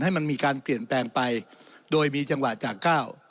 ให้มันมีการเปลี่ยนแปลงไปโดยมีจังหวะจากก้าว